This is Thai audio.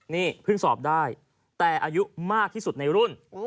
นี่เพิ่งสอบได้แต่อายุมากที่สุดในรุ่น